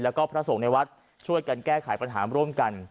แล้วก็พระสงฆ์ในวัดช่วยกันแก้ไขปัญหาร่วมกัน